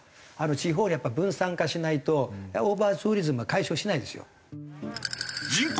地方にやっぱ分散化しないとオーバーツーリズムは解消しないですよ。